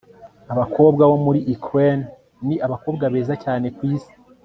abakobwa bo muri ukraine ni abakobwa beza cyane kwisi